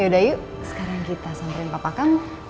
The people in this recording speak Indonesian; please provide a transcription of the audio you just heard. yaudah yuk sekarang kita samperin papa kamu